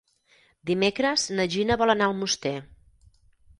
Dimecres na Gina vol anar a Almoster.